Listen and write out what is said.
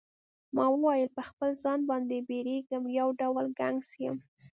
ما وویل پر خپل ځان باندی بیریږم یو ډول ګنګس یم.